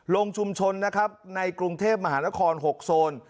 ลงชุมชนนะครับในกรุงเทพมหานคร๖โซน